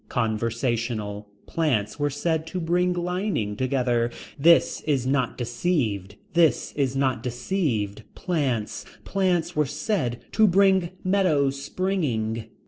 Conversational. Plants were said to bring lining together. This is not deceived. This is not deceived. Plants. Plants were said to bring meadows springing.